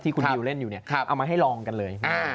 คุณนิวเล่นอยู่เนี่ยเอามาให้ลองกันเลย